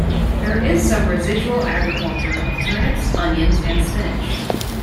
There is some residual agriculture of turnips, onions and spinach.